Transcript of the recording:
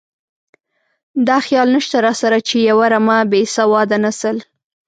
دا خیال نشته راسره چې یوه رمه بې سواده نسل.